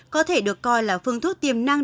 có thể được coi là phương thuốc tiềm năng